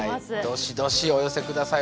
どしどしお寄せ下さい。